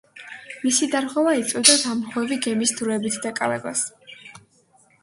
მისი დარღვევა იწვევდა დამრღვევი გემის დროებით დაკავებას.